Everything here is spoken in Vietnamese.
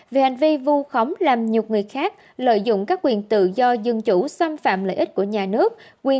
về hành vi vu khống làm nhục người khác lợi dụng các quyền tự do dân chủ xâm phạm lợi ích của nhà nước